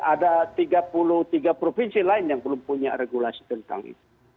ada provinsi lain yang belum punya regulasi tentang itu